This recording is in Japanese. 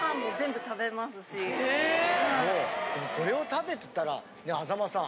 これを食べてたら安座間さん。